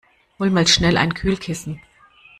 Hol mal schnell ein Kühlkissen!